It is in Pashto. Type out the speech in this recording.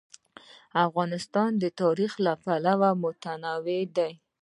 افغانستان د تاریخ له پلوه متنوع دی.